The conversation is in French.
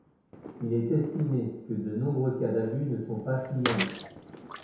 Il est estimé que de nombreux cas d'abus ne sont pas signalés.